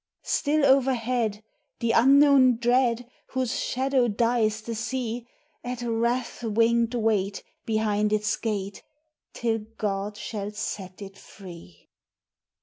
Still overhead the unknown dread, Whose shadow dyes the sea, At wrath winged wait behind its gate Till God shall set it free.